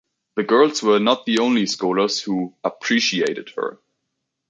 The girls were not the only scholars who “appreciated” her.